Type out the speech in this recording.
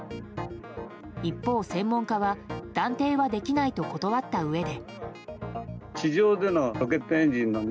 一方、専門家は断定はできないと断ったうえで。